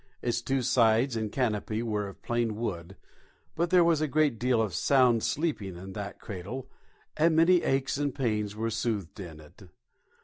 Its two sides and canopy were of plain wood, but there was a great deal of sound sleeping in that cradle, and many aches and pains were soothed in it.